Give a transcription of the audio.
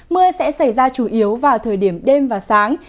mưa sẽ xảy ra chủ yếu vào thời điểm đêm và sáng